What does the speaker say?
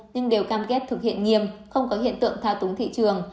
nhưng đều cam kết thực hiện nghiêm không có hiện tượng thao túng thị trường